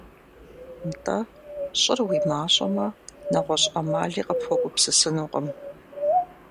НтӀэ, щӀыр уи мащӀэмэ, нэгъуэщӀ Ӏэмали къыпхуэгупсысынукъым.